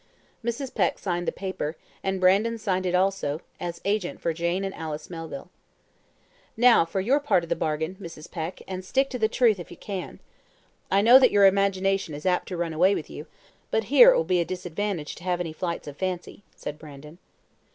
Mrs. Peck signed the paper, and Brandon signed it also, as agent for Jane and Alice Melville. "Now for your part of the bargain, Mrs. Peck, and stick to the truth if you can. I know that your imagination is apt to run away with you; but here it will be a disadvantage to have any flights of fancy," said Brandon.